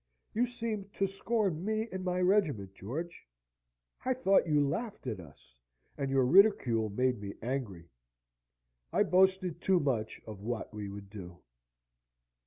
"You seemed to scorn me and my regiment, George. I thought you laughed at us, and your ridicule made me angry. I boasted too much of what we would do."